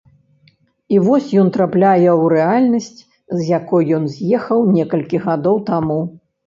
І вось ён трапляе ў рэальнасць, з якой ён з'ехаў некалькі гадоў таму.